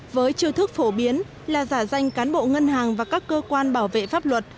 với chiêu thức phổ biến là giả danh cán bộ ngân hàng và các cơ quan bảo vệ pháp luật